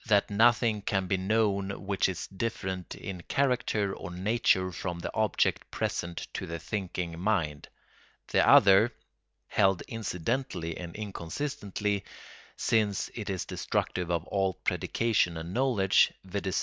that nothing can be known which is different in character or nature from the object present to the thinking mind; the other, held incidentally and inconsistently, since it is destructive of all predication and knowledge, viz.